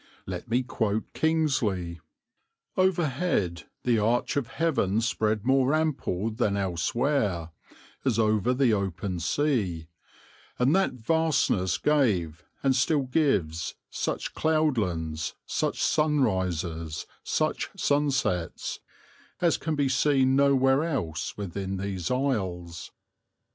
Let me quote Kingsley: "Overhead the arch of heaven spread more ample than elsewhere, as over the open sea; and that vastness gave, and still gives, such cloudlands, such sunrises, such sunsets, as can be seen nowhere else within these isles.